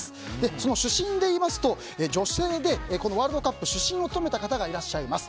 その主審でいいますと女性でワールドカップの主審を務めた方がいらっしゃいます。